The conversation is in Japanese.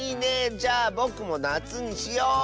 じゃあぼくもなつにしよう。